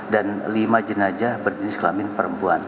dan lima jenazah berjenis kelamin perempuan